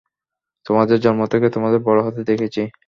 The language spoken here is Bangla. তোমাদের জন্ম থেকে, তোমাদের বড় হতে দেখেছি।